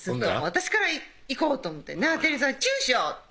私からいこうと思って「なぁ央さんチューしよう」